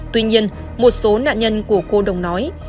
tuy nhiên một số nạn nhân của cô đồng nói